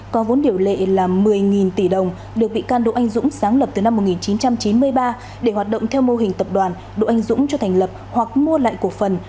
có vốn điều lệ là một mươi tỷ đồng được bị can đỗ anh dũng sáng lập từ năm một nghìn chín trăm chín mươi ba để hoạt động theo mô hình tập đoàn đỗ anh dũng cho thành lập hoặc mua lại cổ phần